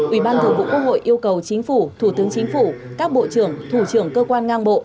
ủy ban thường vụ quốc hội yêu cầu chính phủ thủ tướng chính phủ các bộ trưởng thủ trưởng cơ quan ngang bộ